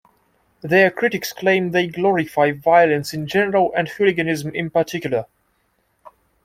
Their critics claim they glorify violence in general and hooliganism in particular.